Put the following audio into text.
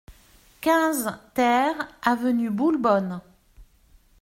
quinze TER avenue Boulbonne